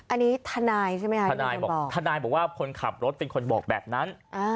อันนี้ทนายใช่ไหมคะทนายบอกทนายบอกว่าคนขับรถเป็นคนบอกแบบนั้น